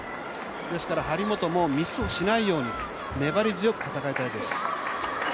ですから、張本もミスをしないように粘り強く戦いたいです。